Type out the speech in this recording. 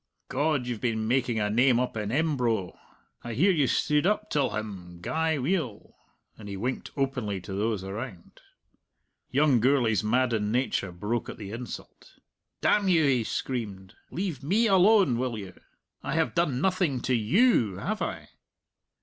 God, you've been making a name up in Embro. I hear you stood up till him gey weel," and he winked openly to those around. Young Gourlay's maddened nature broke at the insult. "Damn you," he screamed, "leave me alone, will you? I have done nothing to you, have I?"